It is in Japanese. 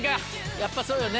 やっぱそうよね。